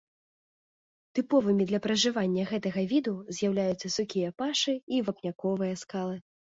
Тыповымі для пражывання гэтага віду з'яўляюцца сухія пашы і вапняковыя скалы.